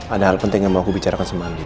ada hal penting yang mau aku bicarakan sama andi